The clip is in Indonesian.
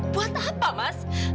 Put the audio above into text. buat apa mas